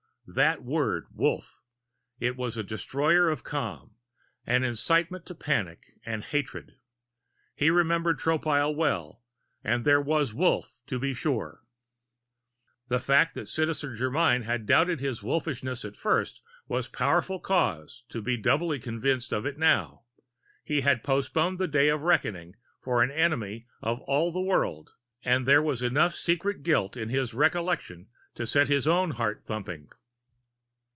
That word Wolf it was a destroyer of calm, an incitement to panic and hatred! He remembered Tropile well, and there was Wolf, to be sure. The mere fact that Citizen Germyn had doubted his Wolfishness at first was powerful cause to be doubly convinced of it now; he had postponed the day of reckoning for an enemy of all the world, and there was enough secret guilt in his recollection to set his own heart thumping.